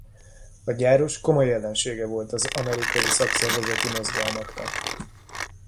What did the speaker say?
A gyáros komoly ellensége volt az amerikai szakszervezeti mozgalmaknak.